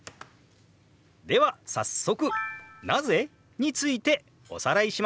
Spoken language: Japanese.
では早速「なぜ？」についておさらいしましょう。